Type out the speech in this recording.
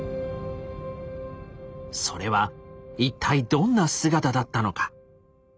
それは一体どんな姿だったのか。